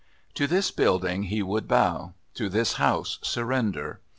To this building he would bow, to this house surrender.